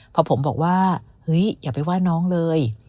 พอผมบอกว่าเฮ้ยอย่าไปว่าน้องเลย